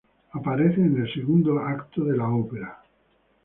Aparecen en el segundo acto de la ópera.